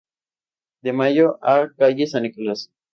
De Mayo y calle San Nicolás.